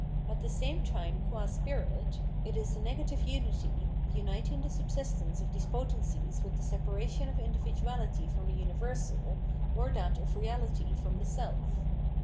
At the same time qua spirit, it is the negative unity, uniting the subsistence of these potencies with the separation of individuality from the universal, or that of reahty from the self.